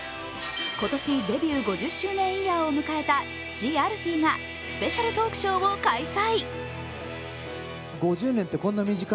今年デビュー５０周年イヤーを迎えたＴＨＥＡＬＦＥＥがスペシャルトークショーを開催。